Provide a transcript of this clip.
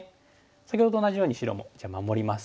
先ほどと同じように白もじゃあ守ります。